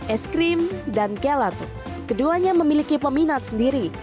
es krim dan gelato keduanya memiliki peminat sendiri